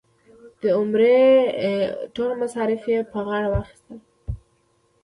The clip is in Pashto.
د عمرې ټول مصارف یې په غاړه واخیستل.